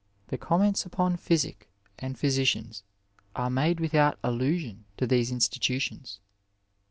The comments upon physic and physicians are made without allusion to these institutions.